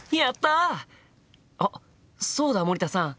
あっそうだ森田さん。